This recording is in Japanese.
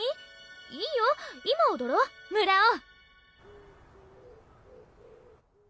いいよ今踊ろ村尾。